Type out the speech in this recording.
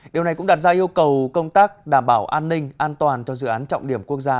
điều này cũng đặt ra yêu cầu công tác đảm bảo an ninh an toàn cho dự án trọng điểm quốc gia